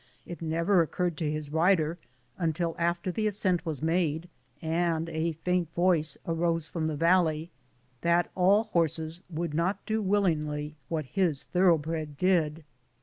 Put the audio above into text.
It never occurred to his rider, until after the ascent was made, and a faint voice arose from the valley, that all horses would not do willingly what his thorough bred did.